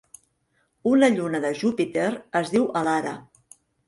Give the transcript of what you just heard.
Una lluna de Júpiter es diu Elara.